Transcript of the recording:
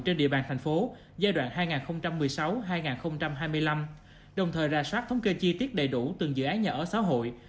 trên địa bàn thành phố giai đoạn hai nghìn một mươi sáu hai nghìn hai mươi năm đồng thời ra soát thống kê chi tiết đầy đủ từng dự án nhà ở xã hội